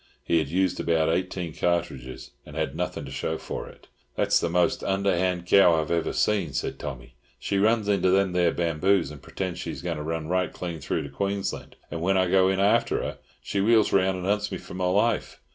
He had used about eighteen cartridges, and had nothing to show for it. "That's the most underhand cow ever I seen!" said Tommy. "She runs into them there bamboos and pretends she's going to run right clean through to Queensland, and when I go in after her, she wheels round and hunts me for my life.